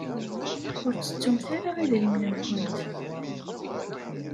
Ur tettumt ara idrimen-nkent.